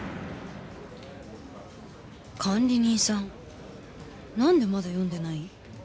管理人さんなんでまだ読んでない？